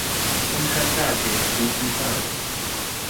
中山大學圖資大樓